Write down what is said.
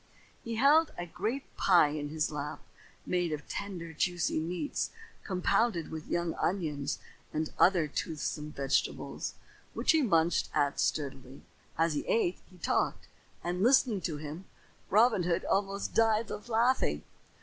He held a great pie in his lap, made of tender, juicy meats, compounded with young onions and other toothsome vegetables, which he munched at sturdily. As he ate he talked, and, listening to him, Robin Hood almost died of laughing.